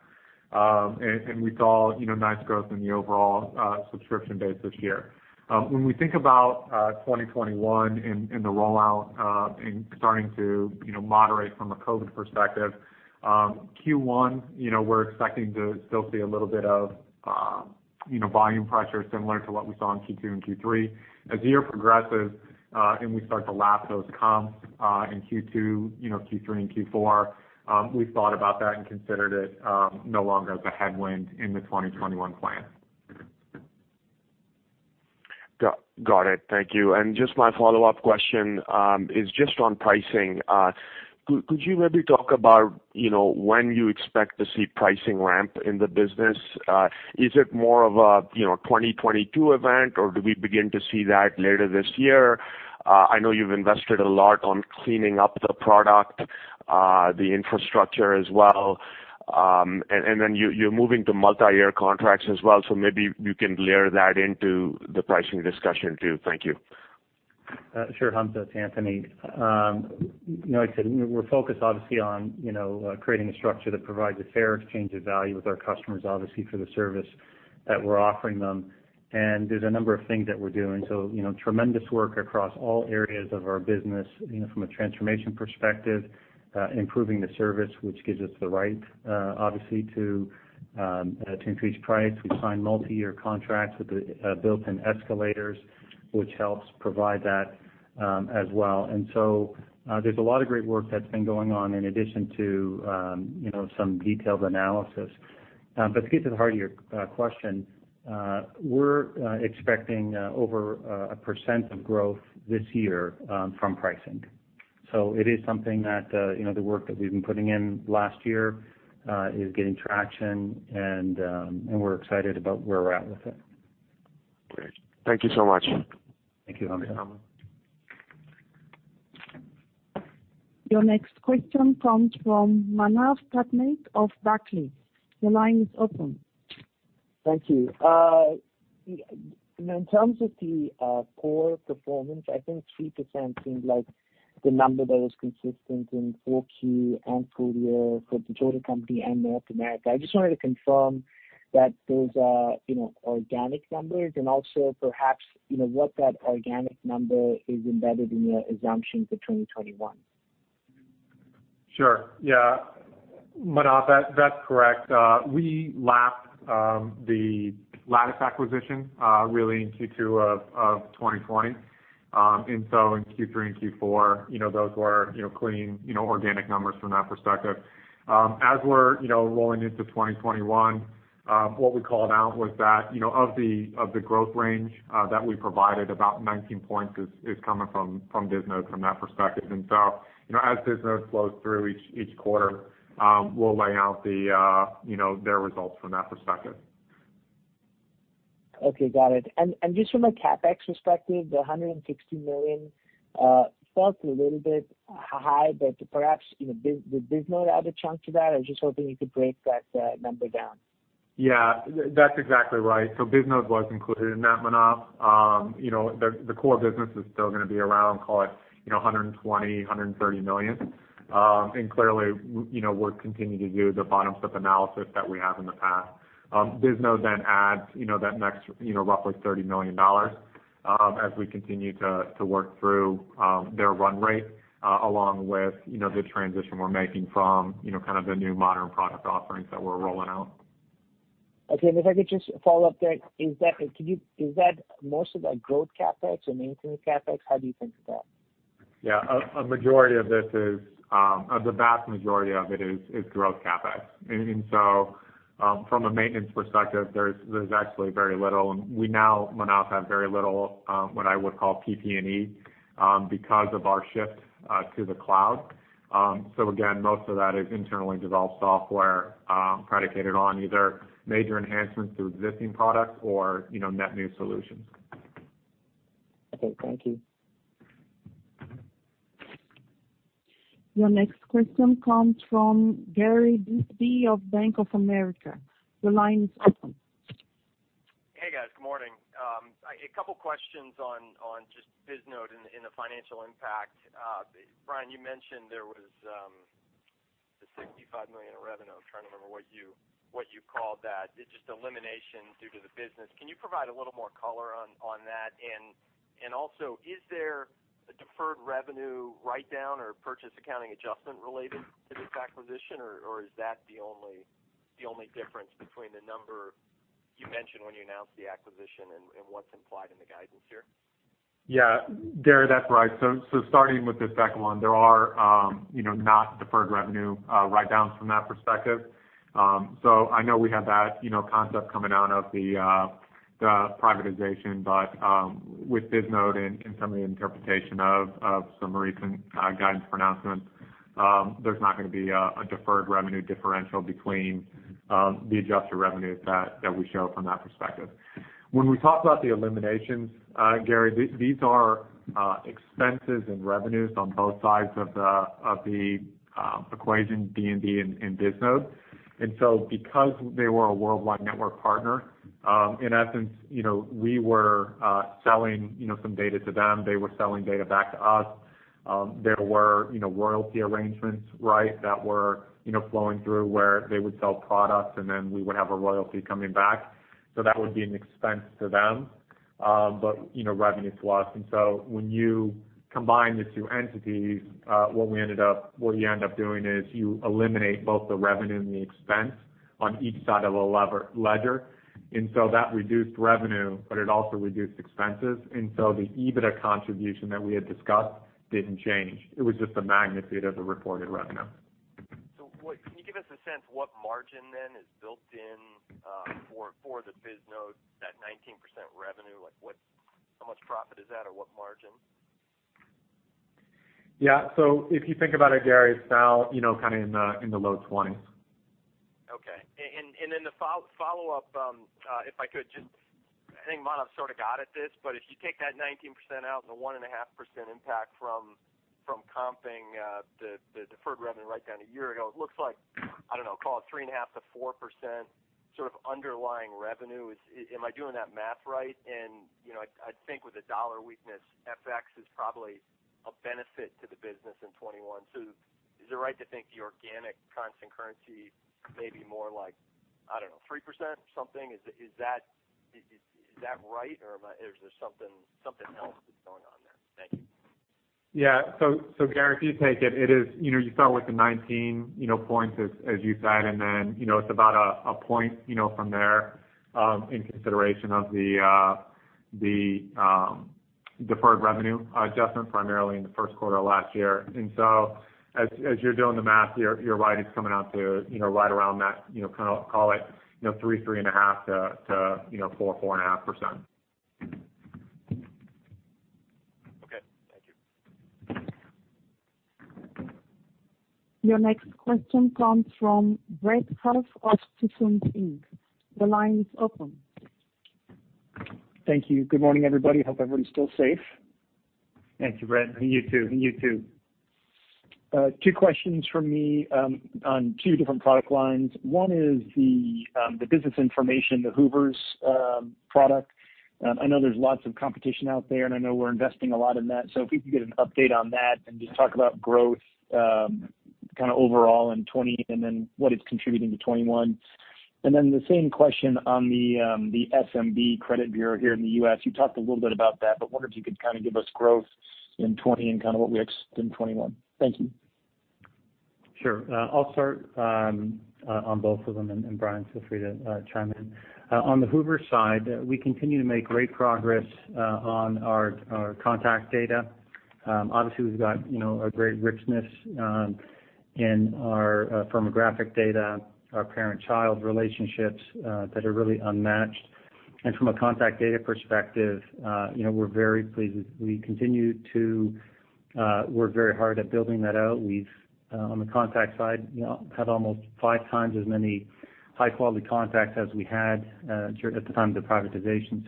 We saw nice growth in the overall subscription base this year. When we think about 2021 and the rollout and starting to moderate from a COVID-19 perspective, Q1, we're expecting to still see a little bit of volume pressure similar to what we saw in Q2 and Q3. As the year progresses, and we start to lap those comps in Q2, Q3, and Q4, we've thought about that and considered it no longer as a headwind in the 2021 plan. Got it. Thank you. Just my follow-up question is just on pricing. Could you maybe talk about when you expect to see pricing ramp in the business? Is it more of a 2022 event, or do we begin to see that later this year? I know you've invested a lot on cleaning up the product, the infrastructure as well. Then you're moving to multi-year contracts as well, so maybe you can layer that into the pricing discussion, too. Thank you. Sure, Hamzah. It's Anthony. Like I said, we're focused, obviously, on creating a structure that provides a fair exchange of value with our customers, obviously, for the service that we're offering them. There's a number of things that we're doing. Tremendous work across all areas of our business from a transformation perspective, improving the service, which gives us the right, obviously, to increase price. We sign multi-year contracts with built-in escalators, which helps provide that as well. There's a lot of great work that's been going on in addition to some detailed analysis. To get to the heart of your question, we're expecting over 1% of growth this year from pricing. It is something that the work that we've been putting in last year is getting traction, and we're excited about where we're at with it. Great. Thank you so much. Thank you, Hamzah. Thanks, Hamzah. Your next question comes from Manav Tuteja of Barclays. Your line is open. Thank you. In terms of the core performance, I think 3% seems like the number that was consistent in 4Q and full-year for the total company and North America. I just wanted to confirm that those are organic numbers and also perhaps what that organic number is embedded in your assumptions for 2021. Sure. Yeah. Manav, that's correct. We lapped the Lattice acquisition really in Q2 of 2020. In Q3 and Q4, those were clean organic numbers from that perspective. As we're rolling into 2021, what we called out was that of the growth range that we provided, about 19 points is coming from Bisnode from that perspective. As Bisnode flows through each quarter, we'll lay out their results from that perspective. Okay, got it. Just from a CapEx perspective, the $160 million felt a little bit high, but perhaps did Bisnode add a chunk to that? I was just hoping you could break that number down. Yeah. That's exactly right. Bisnode was included in that, Manav. The core business is still going to be around, call it $120 million-$130 million. Clearly, we'll continue to do the bottom-up analysis that we have in the past. Bisnode adds that next roughly $30 million as we continue to work through their run rate along with the transition we're making from kind of the new modern product offerings that we're rolling out. Okay. If I could just follow up there, is that most of the growth CapEx or maintenance CapEx? How do you think of that? Yeah. The vast majority of it is growth CapEx. From a maintenance perspective, there's actually very little, and we now, Manav, have very little what I would call PP&E because of our shift to the cloud. Again, most of that is internally developed software predicated on either major enhancements to existing products or net new solutions. Okay, thank you. Your next question comes from Gary B of Bank of America. Your line is open. Hey, guys. Good morning. A couple questions on just Bisnode and the financial impact. Bryan, you mentioned there was the $65 million in revenue. I'm trying to remember what you called that. It's just elimination due to the business. Can you provide a little more color on that? Also, is there a deferred revenue write-down or purchase accounting adjustment related to this acquisition, or is that the only difference between the number you mentioned when you announced the acquisition and what's implied in the guidance here? Yeah, Gary, that's right. Starting with the second one, there are not deferred revenue write-downs from that perspective. I know we have that concept coming out of the privatization. With Bisnode and some of the interpretation of some recent guidance pronouncements, there's not going to be a deferred revenue differential between the adjusted revenues that we show from that perspective. When we talk about the eliminations, Gary, these are expenses and revenues on both sides of the equation, D&B and Bisnode. Because they were a Worldwide Network partner, in essence, we were selling some data to them. They were selling data back to us. There were royalty arrangements that were flowing through where they would sell products, and then we would have a royalty coming back. That would be an expense to them, but revenues to us. When you combine the two entities, what you end up doing is you eliminate both the revenue and the expense on each side of the ledger. That reduced revenue, but it also reduced expenses. The EBITDA contribution that we had discussed didn't change. It was just the magnitude of the reported revenue. Can you give us a sense what margin then is built in for the Bisnode, that 19% revenue? How much profit is that or what margin? Yeah. If you think about it, Gary, it's now kind of in the low 20s. Okay. The follow-up, I think Manav sort of got at this, if you take that 19% out and the 1.5% impact from comping the deferred revenue write-down a year ago, it looks like, I don't know, call it 3.5%-4% sort of underlying revenue. Am I doing that math right? I think with the dollar weakness, FX is probably a benefit to the business in 2021. Is it right to think the organic constant currency may be more like, I don't know, 3% or something? Is that right? Is there something else that's going on there? Thank you. Yeah. Gary, if you take it, you start with the 19 points, as you said, then it's about one point from there in consideration of the deferred revenue adjustment primarily in the first quarter of last year. As you're doing the math, you're right, it's coming out to right around that, call it 3%-3.5% to 4%-4.5%. Okay. Thank you. Your next question comes from Brett Huff of Stephens Inc. The line is open. Thank you. Good morning, everybody. Hope everybody's still safe. Thank you, Brett. You too. Two questions from me on two different product lines. One is the business information, the Hoovers product. I know there's lots of competition out there, and I know we're investing a lot in that. If we could get an update on that and just talk about growth kind of overall in 2020 and then what it's contributing to 2021. The same question on the SMB credit bureau here in the U.S. You talked a little bit about that, but wonder if you could kind of give us growth in 2020 and kind of what we expect in 2021. Thank you. Sure. I'll start on both of them, and Bryan, feel free to chime in. On the D&B Hoovers side, we continue to make great progress on our contact data. Obviously, we've got a great richness in our firmographic data, our parent-child relationships that are really unmatched. From a contact data perspective, we're very pleased. We continue to work very hard at building that out. We've, on the contact side, have almost 5x as many high-quality contacts as we had at the time of the privatization.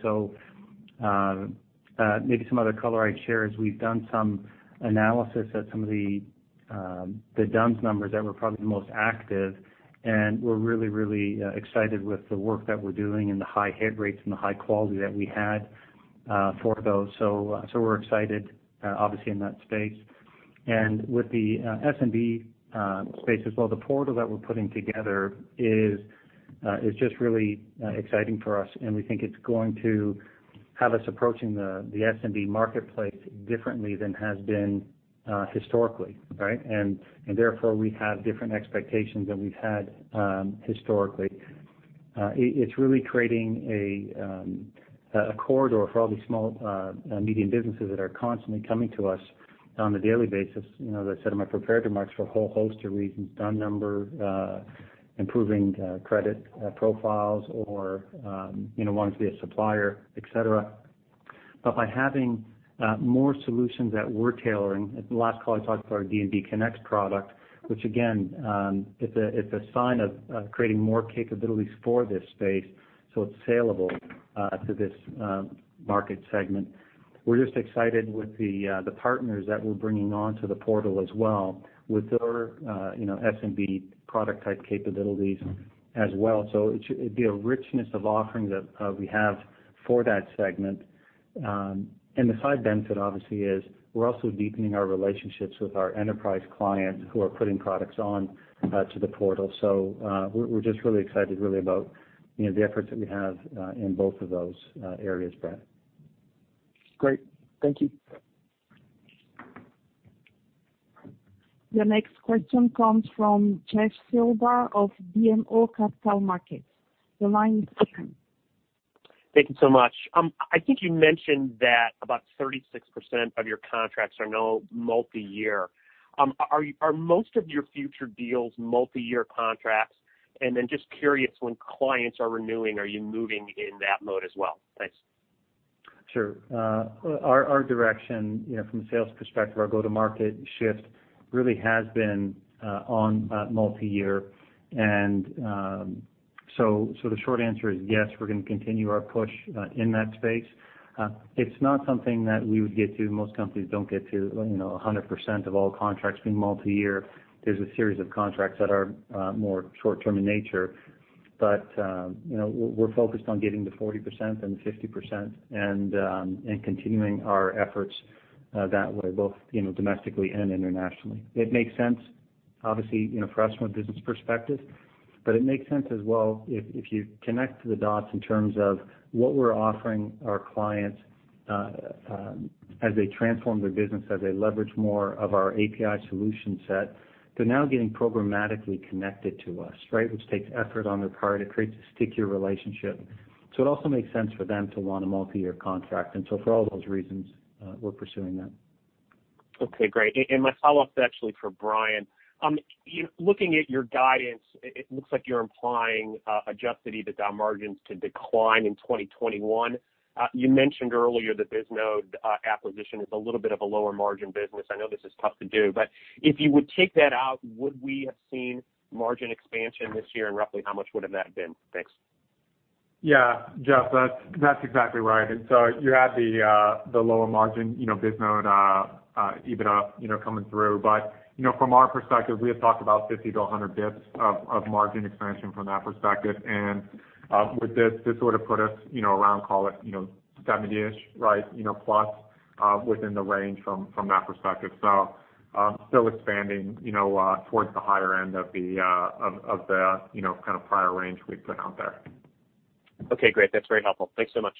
Maybe some other color I'd share is we've done some analysis at some of the D-U-N-S numbers that were probably the most active, and we're really excited with the work that we're doing and the high hit rates and the high quality that we had for those. We're excited obviously in that space. With the SMB space as well, the portal that we're putting together is just really exciting for us, and we think it's going to have us approaching the SMB marketplace differently than has been historically, right? Therefore, we have different expectations than we've had historically. It's really creating a corridor for all these small, medium businesses that are constantly coming to us on a daily basis, as I said in my prepared remarks, for a whole host of reasons, D-U-N-S number, improving credit profiles or wanting to be a supplier, et cetera. By having more solutions that we're tailoring, at the last call, I talked about our D&B Connect product, which again, it's a sign of creating more capabilities for this space so it's saleable to this market segment. We're just excited with the partners that we're bringing onto the portal as well with their SMB product type capabilities as well. It'd be a richness of offerings that we have for that segment. The side benefit, obviously, is we're also deepening our relationships with our enterprise clients who are putting products onto the portal. We're just really excited about the efforts that we have in both of those areas, Brett. Great. Thank you. Your next question comes from Jeff Silber of BMO Capital Markets. Your line is open. Thank you so much. I think you mentioned that about 36% of your contracts are now multi-year. Are most of your future deals multi-year contracts? Just curious, when clients are renewing, are you moving in that mode as well? Thanks. Sure. Our direction from a sales perspective, our go-to-market shift really has been on multi-year. The short answer is yes, we're going to continue our push in that space. It's not something that we would get to, most companies don't get to 100% of all contracts being multi-year. There's a series of contracts that are more short-term in nature. We're focused on getting to 40% then to 50% and continuing our efforts that way, both domestically and internationally. It makes sense, obviously, for us from a business perspective, but it makes sense as well if you connect the dots in terms of what we're offering our clients as they transform their business, as they leverage more of our API solution set. They're now getting programmatically connected to us, right? Which takes effort on their part. It creates a stickier relationship. It also makes sense for them to want a multi-year contract. For all those reasons, we're pursuing that. Okay, great. My follow-up's actually for Bryan. Looking at your guidance, it looks like you're implying Adjusted EBITDA margins to decline in 2021. You mentioned earlier that Bisnode acquisition is a little bit of a lower margin business. I know this is tough to do, but if you would take that out, would we have seen margin expansion this year, and roughly how much would have that been? Thanks. Yeah. Jeff, that's exactly right. You had the lower margin Bisnode EBITDA coming through. From our perspective, we had talked about 50-100 basis points of margin expansion from that perspective. With this would have put us around call it 70-ish+ within the range from that perspective. Still expanding towards the higher end of the kind of prior range we put out there. Okay, great. That's very helpful. Thanks so much.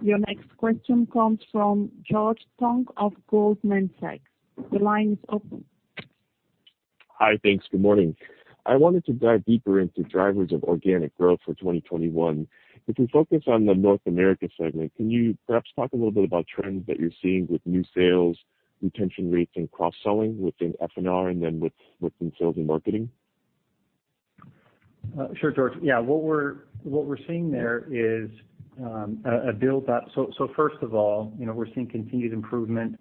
Your next question comes from George Tong of Goldman Sachs. Your line is open. Hi, thanks. Good morning. I wanted to dive deeper into drivers of organic growth for 2021. If we focus on the North America segment, can you perhaps talk a little bit about trends that you're seeing with new sales, retention rates, and cross-selling within F&R and then within sales and marketing? Sure, George. Yeah, what we're seeing there is a build up. First of all, we're seeing continued improvement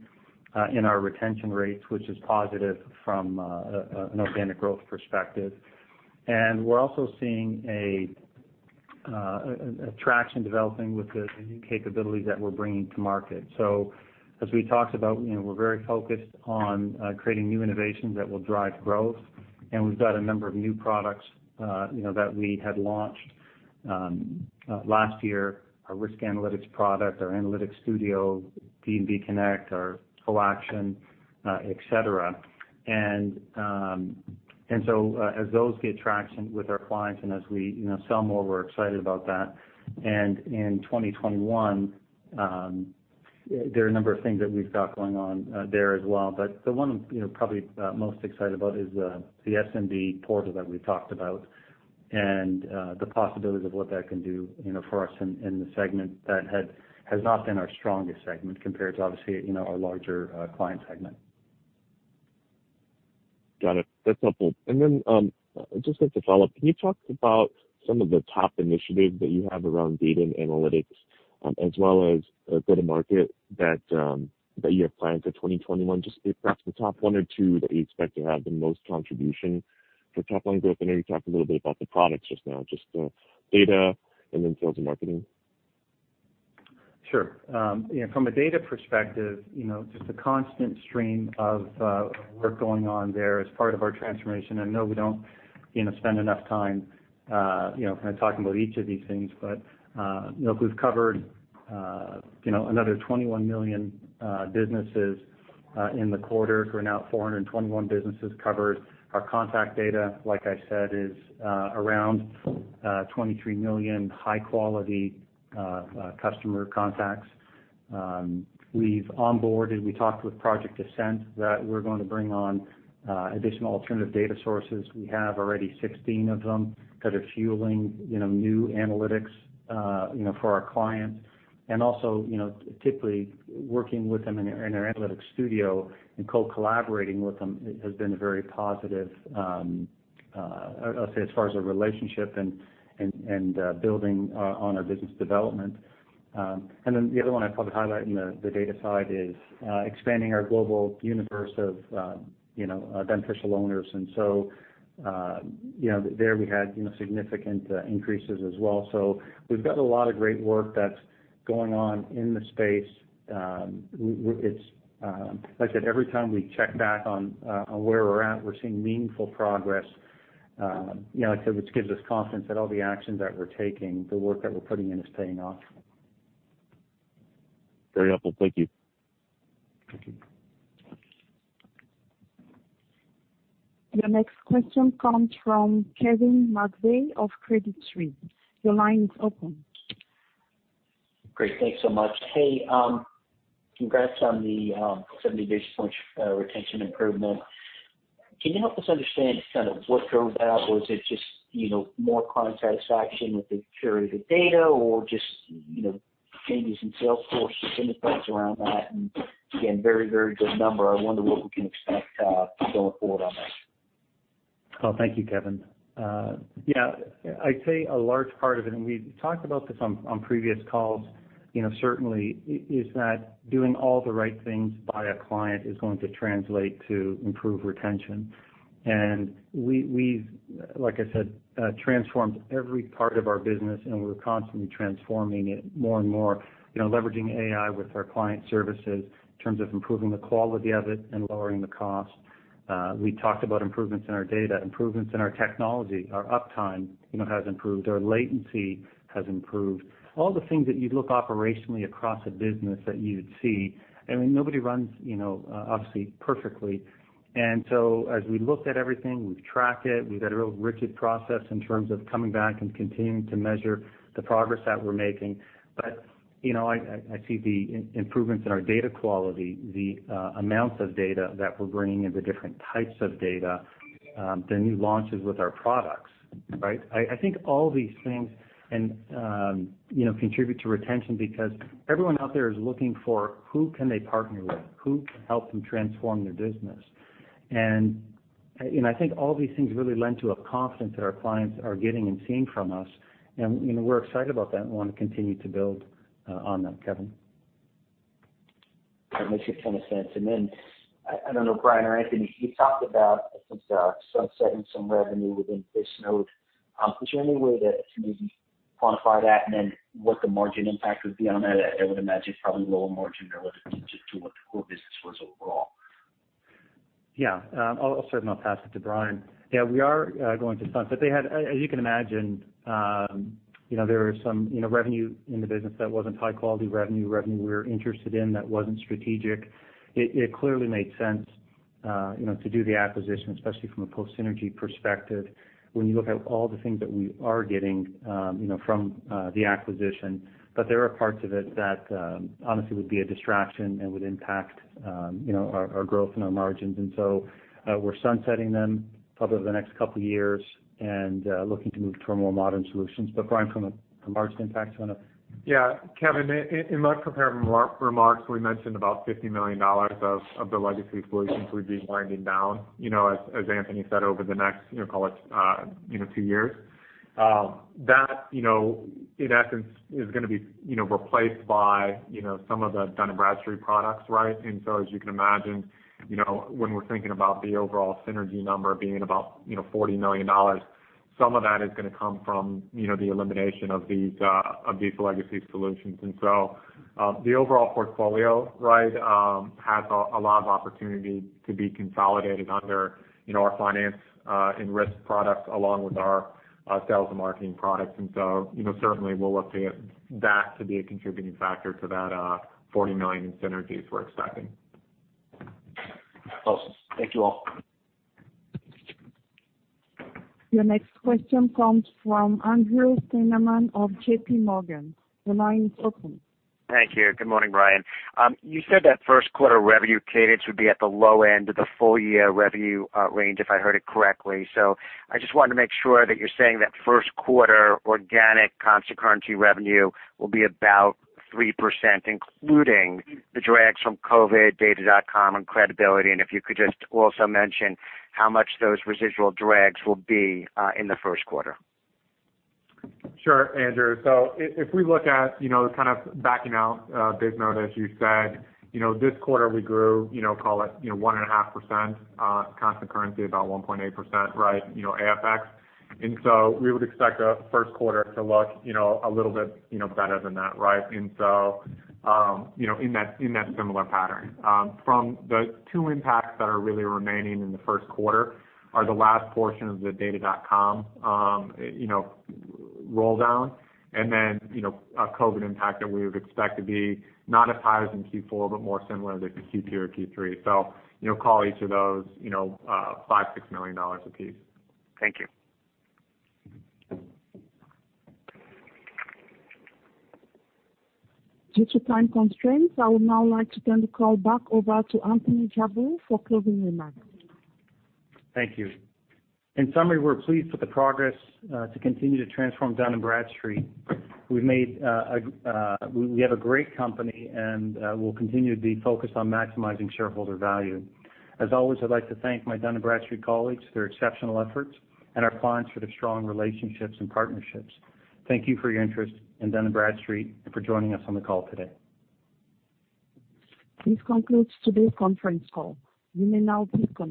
in our retention rates, which is positive from an organic growth perspective. We're also seeing a traction developing with the new capabilities that we're bringing to market. As we talked about, we're very focused on creating new innovations that will drive growth, and we've got a number of new products that we had launched last year, our D&B Risk Analytics product, our D&B Analytics Studio, D&B Connect, our collection, et cetera. As those get traction with our clients and as we sell more, we're excited about that. In 2021, there are a number of things that we've got going on there as well. The one I'm probably most excited about is the SMB portal that we talked about and the possibilities of what that can do for us in the segment that has not been our strongest segment compared to, obviously, our larger client segment. Got it. That's helpful. Just as a follow-up, can you talk about some of the top initiatives that you have around data and analytics as well as go-to-market that you have planned for 2021? Just perhaps the top one or two that you expect to have the most contribution for top-line growth. I know you talked a little bit about the products just now, just the data and then sales and marketing. Sure. From a data perspective, just a constant stream of work going on there as part of our transformation. I know we don't spend enough time kind of talking about each of these things. We've covered another 21 million businesses in the quarter. We're now at 421 businesses covered. Our contact data, like I said, is around 23 million high-quality customer contacts. We've onboarded, we talked with Project Ascent that we're going to bring on additional alternative data sources. We have already 16 of them that are fueling new analytics for our clients. Also, typically working with them in their Analytics Studio and co-collaborating with them has been a very positive, I'll say, as far as our relationship and building on our business development. The other one I'd probably highlight in the data side is expanding our global universe of beneficial owners. There we had significant increases as well. We've got a lot of great work that's going on in the space. Like I said, every time we check back on where we're at, we're seeing meaningful progress which gives us confidence that all the actions that we're taking, the work that we're putting in, is paying off. Very helpful. Thank you. Thank you. Your next question comes from Kevin McVeigh of Credit Suisse. Your line is open. Great. Thanks so much. Hey, congrats on the 70 basis point retention improvement. Can you help us understand what drove that? Is it just more client satisfaction with the purity of the data or just changes in sales force and the points around that? Again, very good number. I wonder what we can expect going forward on that. Well, thank you, Kevin. Yeah. I'd say a large part of it, and we've talked about this on previous calls, certainly is that doing all the right things by a client is going to translate to improved retention. We've, like I said, transformed every part of our business, and we're constantly transforming it more and more. Leveraging AI with our client services in terms of improving the quality of it and lowering the cost. We talked about improvements in our data, improvements in our technology. Our uptime has improved. Our latency has improved. All the things that you'd look operationally across a business that you would see. I mean, nobody runs, obviously, perfectly. As we looked at everything, we've tracked it. We've got a real rigid process in terms of coming back and continuing to measure the progress that we're making. I see the improvements in our data quality, the amounts of data that we're bringing in, the different types of data. The new launches with our products, right? I think all these things contribute to retention because everyone out there is looking for who can they partner with. Who can help them transform their business? I think all these things really lend to a confidence that our clients are getting and seeing from us. We're excited about that and want to continue to build on them, Kevin. That makes a ton of sense. I don't know, Bryan or Anthony, you talked about sunsetting some revenue within Bisnode. Is there any way to maybe quantify that and then what the margin impact would be on that? I would imagine it's probably lower margin relative to what the core business was overall. Yeah. I'll start and I'll pass it to Bryan. Yeah, we are going to sunset. As you can imagine, there was some revenue in the business that wasn't high quality revenue we were interested in that wasn't strategic. It clearly made sense to do the acquisition, especially from a post synergy perspective when you look at all the things that we are getting from the acquisition. There are parts of it that honestly would be a distraction and would impact our growth and our margins. We're sunsetting them probably over the next couple of years and looking to move to more modern solutions. Bryan, from a margin impact point of view. Yeah. Kevin, in my prepared remarks, we mentioned about $50 million of the legacy solutions we'd be winding down. As Anthony said, over the next call it two years. That, in essence, is going to be replaced by some of the Dun & Bradstreet products, right? As you can imagine, when we're thinking about the overall synergy number being about $40 million, some of that is going to come from the elimination of these legacy solutions. The overall portfolio has a lot of opportunity to be consolidated under our Finance & Risk products along with our sales and marketing products. Certainly we're looking at that to be a contributing factor to that $40 million in synergies we're expecting. Awesome. Thank you all. Your next question comes from Andrew Steinerman of JPMorgan. Your line is open. Thank you. Good morning, Bryan. You said that first quarter revenue cadence would be at the low end of the full year revenue range, if I heard it correctly. I just wanted to make sure that you're saying that first quarter organic constant currency revenue will be about 3%, including the drags from COVID-19, Data.com, and credibility. If you could just also mention how much those residual drags will be in the first quarter. Sure, Andrew. If we look at kind of backing out Bisnode, as you said. This quarter we grew, call it 1.5%, constant currency, about 1.8%, right? ex-FX. We would expect the first quarter to look a little bit better than that, right? In that similar pattern. From the two impacts that are really remaining in the first quarter are the last portion of the Data.com roll down and then a COVID impact that we would expect to be not as high as in Q4, but more similar to Q2 or Q3. Call each of those $5 million-$6 million apiece. Thank you. Due to time constraints, I would now like to turn the call back over to Anthony Jabbour for closing remarks. Thank you. In summary, we're pleased with the progress to continue to transform Dun & Bradstreet. We have a great company, and we'll continue to be focused on maximizing shareholder value. As always, I'd like to thank my Dun & Bradstreet colleagues for their exceptional efforts and our clients for their strong relationships and partnerships. Thank you for your interest in Dun & Bradstreet and for joining us on the call today. This concludes today's conference call. You may now disconnect.